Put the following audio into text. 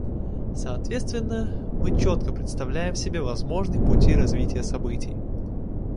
Соответственно, мы четко представляем себе возможные пути развития событий.